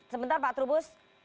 sebentar pak trubus